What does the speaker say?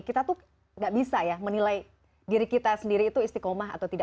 kita tuh gak bisa ya menilai diri kita sendiri itu istiqomah atau tidak